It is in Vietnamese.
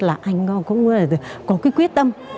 anh cũng có quyết tâm